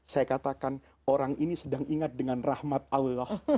saya katakan orang ini sedang ingat dengan rahmat allah